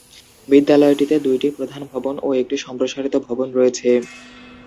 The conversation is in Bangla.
বিদ্যালয়টিতে দুইটি প্রধান ভবন ও একটি সম্প্রসারিত ভবন রয়েছে।